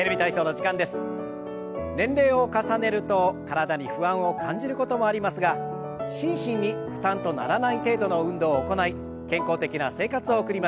年齢を重ねると体に不安を感じることもありますが心身に負担とならない程度の運動を行い健康的な生活を送りましょう。